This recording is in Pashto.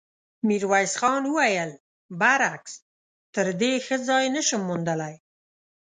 ميرويس خان وويل: برعکس، تر دې ښه ځای نه شم موندلی.